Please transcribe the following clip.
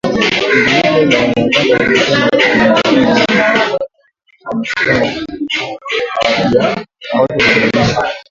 Kundi hilo la wanamgambo lilisema kwenye mtandao wake wa mawasiliano kuwa hawatojisalimisha.